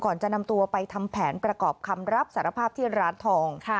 จะนำตัวไปทำแผนประกอบคำรับสารภาพที่ร้านทอง